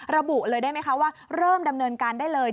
ระบุเลยได้ไหมคะว่าเริ่มดำเนินการได้เลย